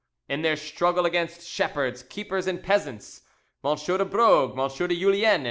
In their struggle against shepherds, keepers, and peasants, M. de Brogue, M. de Julien, and M.